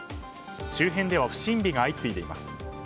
周辺では不審火が相次いでいます。